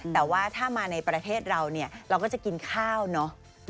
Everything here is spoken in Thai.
แต่ว่าถ้ามาในประเทศเราเนี่ยเราก็จะกินข้าวเนอะ